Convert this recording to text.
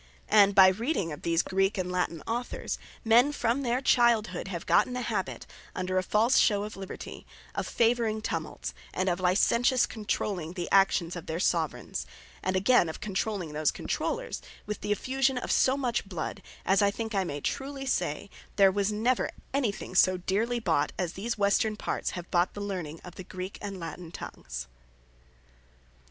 And by reading of these Greek, and Latine Authors, men from their childhood have gotten a habit (under a false shew of Liberty,) of favouring tumults, and of licentious controlling the actions of their Soveraigns; and again of controlling those controllers, with the effusion of so much blood; as I think I may truly say, there was never any thing so deerly bought, as these Western parts have bought the learning of the Greek and Latine tongues.